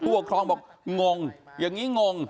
ปกครองบอกงงอย่างนี้งง